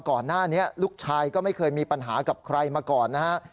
ก่อนหน้านี้ลูกชายก็ไม่เคยมีปัญหากับใครมาก่อนนะฮะ